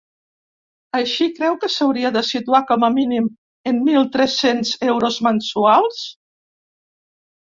Així, creu que s’hauria de situar com a mínim en mil tres-cents euros mensuals.